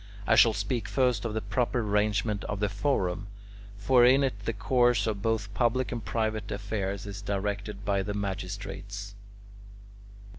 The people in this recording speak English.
I shall speak first of the proper arrangement of the forum, for in it the course of both public and private affairs is directed by the magistrates.